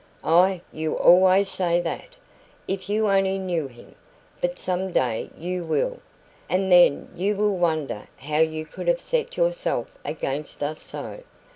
"Ah, you always say that! If you only knew him; but some day you will, and then you will wonder how you could have set yourself against us so.